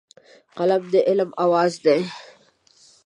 قلم د عقل اواز دی